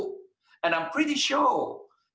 dan saya cukup yakin